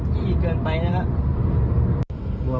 ที่เกินไปนะครับ